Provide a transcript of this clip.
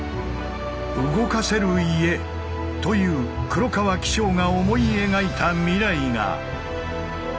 「動かせる家」という黒川紀章が思い描いた未来が。